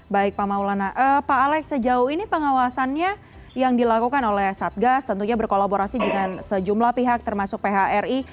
baik pak maulana pak alex sejauh ini pengawasannya yang dilakukan oleh satgas tentunya berkolaborasi dengan sejumlah pihak termasuk phri